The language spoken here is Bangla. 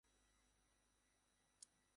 ফলে অতিরিক্ত আমে বাড়তে পারে রক্তে চিনির মাত্রা।